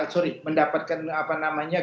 sorry mendapatkan apa namanya